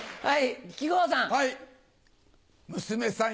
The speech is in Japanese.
はい。